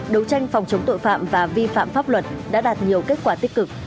đấu tranh phòng chống tội phạm và vi phạm pháp luật đã đạt nhiều kết quả tích cực